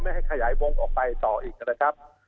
ให้ขยายวงออกไปต่ออีกนะครับ